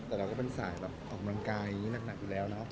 แต่เราก็เป็นสายออกกำลังกายหนักอยู่แล้วนะครับ